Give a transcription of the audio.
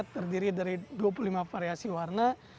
kita membuatnya dengan dua puluh lima variasi warna